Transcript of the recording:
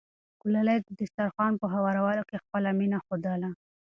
ګلالۍ د دسترخوان په هوارولو کې خپله مینه ښودله.